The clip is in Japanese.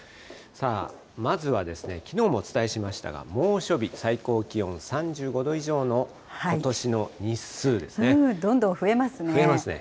さあ、まずはですね、きのうもお伝えしましたが、猛暑日、最高気温３５度以上のことしの日数ですどんどん増えますね。